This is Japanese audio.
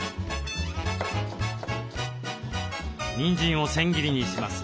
にんじんを千切りにします。